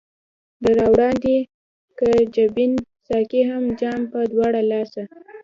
را وړاندي که جبين ساقي هم جام پۀ دواړه لاسه